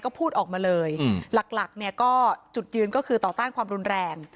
ก็พูดออกมาเลยหลักเนี่ยก็จุดยืนก็คือต่อต้านความรุนแรง